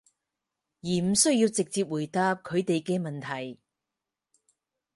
而唔需要直接回答佢哋嘅問題